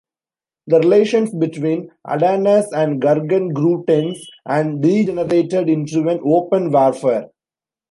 The relations between Adarnase and Gurgen grew tense and degenerated into an open warfare.